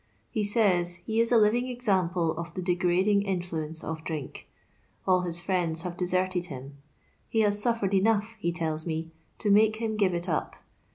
He says he is a living example of the degrading influence of drink. All his friends have deserted him. He has suffsred enough, he tells me, to make him give it up.